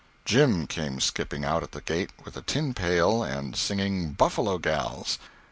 Jim came skipping out at the gate with a tin pail, and singing Buffalo Gals.